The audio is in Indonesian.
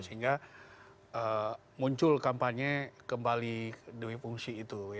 sehingga muncul kampanye kembali demi fungsi itu